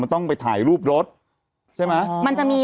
มันต้องไปถ่ายรูปรถใช่ไหม